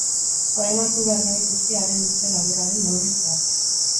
Orain hartu behar genituzke haren luze-laburraren neurri zehatzak.